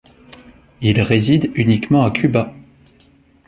Il réside uniquement à Cuba.